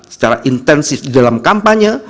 secara intensif di dalam kampanye